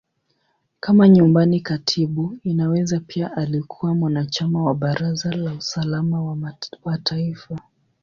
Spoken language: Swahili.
Kama Nyumbani Katibu, Inaweza pia alikuwa mwanachama wa Baraza la Usalama wa Taifa.